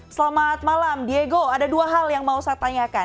selamat malam diego ada dua hal yang mau saya tanyakan